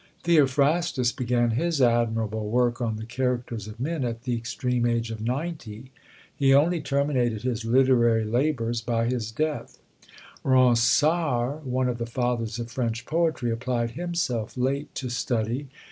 Theophrastus began his admirable work on the Characters of Men at the extreme age of ninety. He only terminated his literary labours by his death. Ronsard, one of the fathers of French poetry, applied himself late to study.